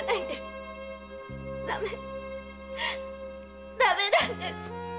駄目駄目なんです！